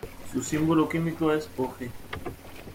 Su símbolo químico es Og.